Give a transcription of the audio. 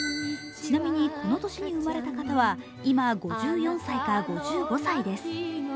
ちなみにこの年に生まれた方は今５４歳か５５歳です。